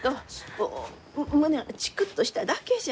こう胸がチクッとしただけじゃ。